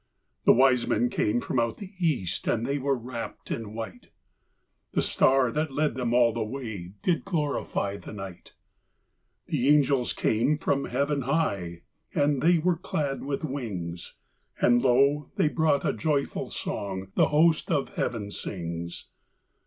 The wise men came from out the east, And they were wrapped in white; The star that led them all the way Did glorify the night. The angels came from heaven high, And they were clad with wings; And lo, they brought a joyful song The host of heaven sings.